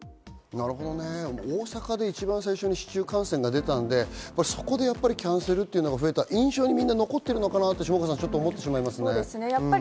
大阪で一番最初に市中感染が出たんで、そこでキャンセルが増えた、印象にみんな残ってるのかなぁって思ってしまいますね。